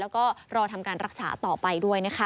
แล้วก็รอทำการรักษาต่อไปด้วยนะคะ